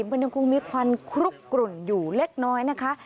มันยังคงมีควันคลุกกลุ่นอยู่เล็กน้อยนะคะ